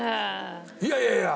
いやいやいやいや。